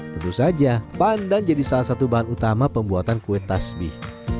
tentu saja pandan jadi salah satu bahan utama pembuatan kue tasbih